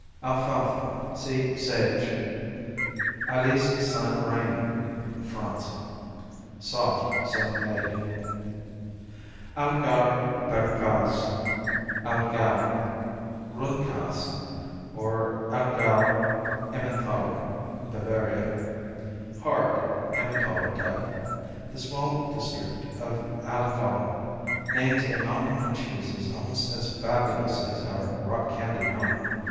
Alfalfa see Sage. Alise Saint Reine France Soft; summer made. Allgäuer Bergkäse, Allgäuer Rundkäse, or Allgäuer Emmentaler Bavaria Hard; Emmentaler type. The small district of Allgäu names a mountain of cheeses almost as fabulous as our "Rock candy Mountain."